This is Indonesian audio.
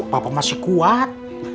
papa masih kuat